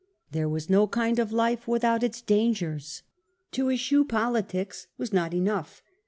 There was no and danger, j^^nd of life without its dangers. To eschew politics was not enough.